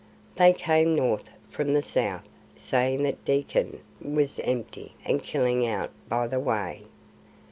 They came north from the south saying the Dekkan was empty and killing out by the way.